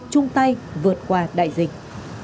chung tay vượt qua đại dịch